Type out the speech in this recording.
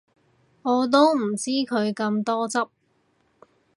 我都唔知佢咁多汁